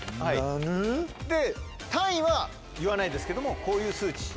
なぬ？で単位は言わないですけどもこういう数値。